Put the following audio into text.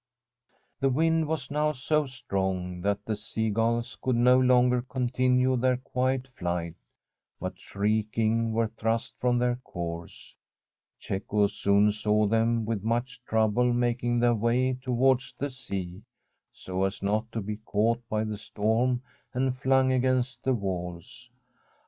The wind was now so strong that the seagulls could no longer continue their quiet flight, but, shrieking, were thrust from their course. Cecco soon saw them with much trouble making their way towards the sea, so as not to be caught by the storm and flung against the walls.